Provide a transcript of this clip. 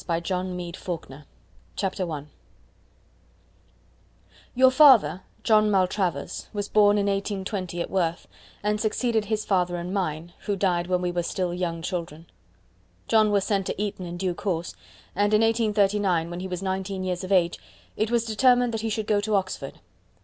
6. MISS SOPHIA MALTRAVERS' STORY CHAPTER I Your father, John Maltravers, was born in 1820 at Worth, and succeeded his father and mine, who died when we were still young children. John was sent to Eton in due course, and in 1839, when he was nineteen years of age, it was determined that he should go to Oxford.